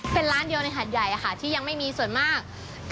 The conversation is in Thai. เป็นร้านเดียวในหาดใหญ่ค่ะที่ยังไม่มีส่วนมาก